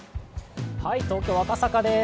東京・赤坂です。